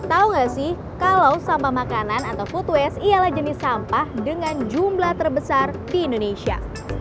tahu nggak sih kalau sampah makanan atau food waste ialah jenis sampah dengan jumlah terbesar di indonesia